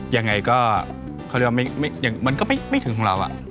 ยังไงก็เขาเรียกว่ามันก็ไม่ถึงของเรา